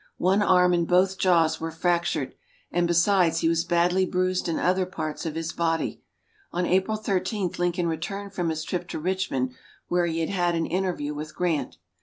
One arm and both jaws were fractured, and besides he was badly bruised in other parts of his body. On April Thirteenth, Lincoln returned from his trip to Richmond, where he had had an interview with Grant.